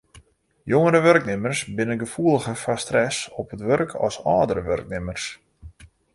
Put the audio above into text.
Jongere wurknimmers binne gefoeliger foar stress op it wurk as âldere wurknimmers.